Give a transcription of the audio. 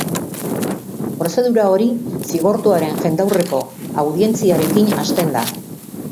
Prozedura hori zigortuaren jendaurreko audientziarekin hasten da.